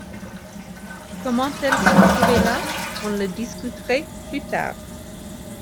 Comment elle se trouvait là, on le discuterait plus tard